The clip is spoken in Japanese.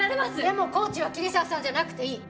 でもコーチは桐沢さんじゃなくていい。